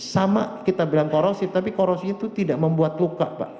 sama kita bilang korosif tapi korosif itu tidak membuat luka pak